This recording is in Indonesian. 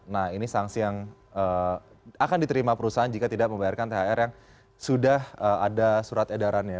nah ini sanksi yang akan diterima perusahaan jika tidak membayarkan thr yang sudah ada surat edarannya